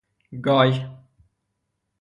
گای